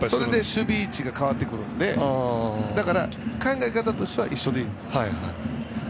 守備位置が変わってくるので考え方としては一緒でいいです。